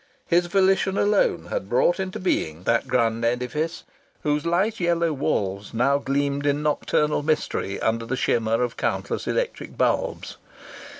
His volition alone had brought into being that grand edifice whose light yellow walls now gleamed in nocturnal mystery under the shimmer of countless electric bulbs.